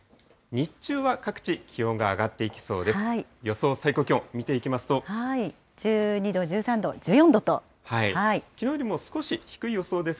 日中は各地、気温が上がっていきそうです。